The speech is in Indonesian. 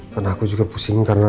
dan aku juga pusing karena